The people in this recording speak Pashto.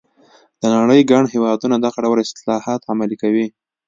د نړۍ ګڼ هېوادونه دغه ډول اصلاحات عملي کوي.